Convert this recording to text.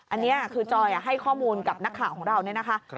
อันนี้คือจอยให้ข้อมูลกับนักข่าวของเราเนี่ยนะคะ